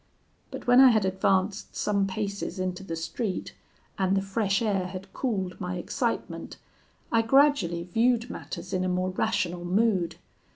"But when I had advanced some paces into the street, and the fresh air had cooled my excitement, I gradually viewed matters in a more rational mood.